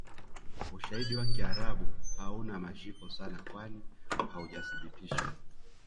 Ushaidi wa kiarabu hauna mashiko sana kwani Haujasibitishwa